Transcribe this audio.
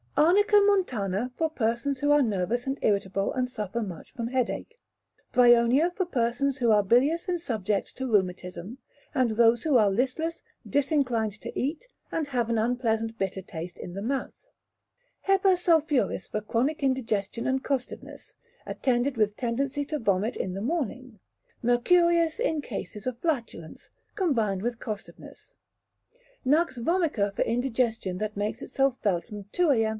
Arnica montana for persons who are nervous and irritable, and suffer much from headache; Bryonia for persons who are bilious and subject to rheumatism, and those who are listless, disinclined to eat, and have an unpleasant bitter taste in the mouth; Hepar sulphuris for chronic indigestion and costiveness, attended with tendency to vomit in the morning; Mercurius in cases of flatulence, combined with costiveness; Nux vomica for indigestion that makes itself felt from 2 a.m.